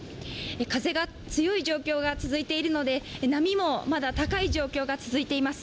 風が強い状況が続いているので波も高い状況が続いています。